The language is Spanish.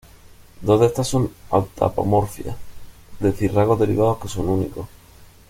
Dos de estas son autapomorfias, es decir rasgos derivados que son únicos.